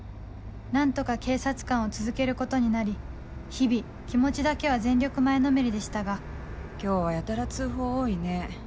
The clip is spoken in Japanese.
何とか警察官を続けることになり日々気持ちだけは全力前のめりでしたが今日はやたら通報多いね。